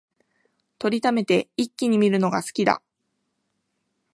録りためて一気に観るのが好きだ